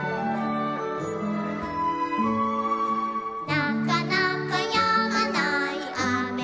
「なかなかやまないあめでした」